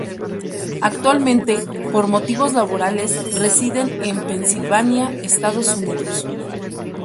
Actualmente por motivos laborales, residen en Pennsylvania, Estados Unidos.